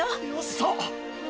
そう！